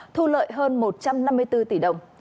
thu lợi hơn một trăm năm mươi bốn tỷ đồng